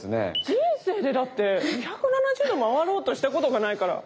人生でだって２７０度回ろうとしたことがないから。